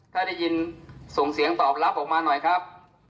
ถ้าได้ยินส่งเสียงตอบรับออกมาหน่อยครับ